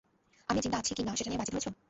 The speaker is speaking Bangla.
আমি জিন্দা আছি কি না সেটা নিয়ে বাজি ধরেছ?